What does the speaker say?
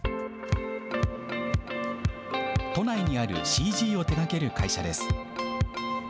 都内にあるＣＧを手がける会社です。